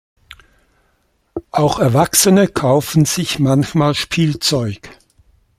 Auch Erwachsene kaufen sich manchmal Spielzeug.